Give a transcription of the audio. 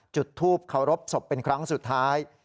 จุดทูปเคารพศพเป็นครั้งสุดท้าย